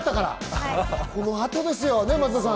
この後ですよね、松田さん。